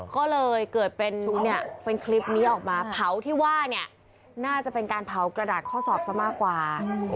ก็เลยเกิดเป็นคลิปนี้ออกมาเผาที่ว่าน่าจะเป็นการเผากระดาษข้อสอบมากกว่า